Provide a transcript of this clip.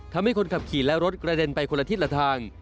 ทำให้คนขับขี่และรถกระเด็นไปคนละทิศละทาง